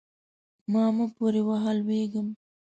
ما مه پورې وهه؛ لوېږم.